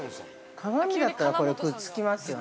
鏡だったら、これくっつきますよね。